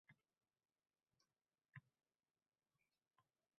Itga - oyoq, panjara itning oldiga